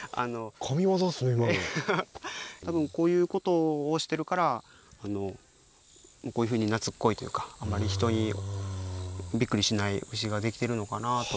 多分こういうことをしてるからこういうふうになつっこいというかあんまり人にびっくりしない牛ができてるのかなぁとは。